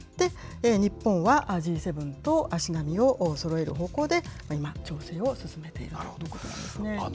日本はＧ７と足並みをそろえる方向で今、調整を進めているということなんですね。